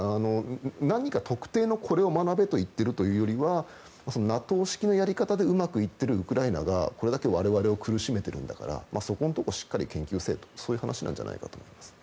何か特定のこれを学べと言っているよりはＮＡＴＯ式のやり方でうまくいっているウクライナがこれだけ我々を苦しめてるんだからそこのところしっかり研究せいとそういう話だと思います。